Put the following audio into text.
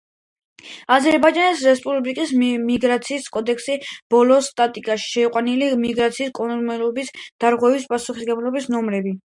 აზერბაიჯანის რესპუბლიკის მიგრაციის კოდექსის ბოლო სტატიაში შეყვანილია მიგრაციის კანონმდებლობის დარღვევის პასუხისმგებლობის ნორმები.